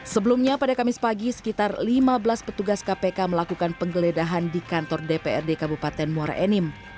sebelumnya pada kamis pagi sekitar lima belas petugas kpk melakukan penggeledahan di kantor dprd kabupaten muara enim